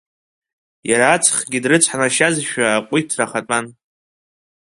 Иара аҵхгьы дрыцҳанашьазшәа аҟәиҭра ахатәан.